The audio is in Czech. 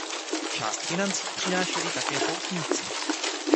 Část financí přinášeli také poutníci.